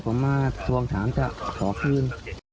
ผมมาสวมถามจากขอคืน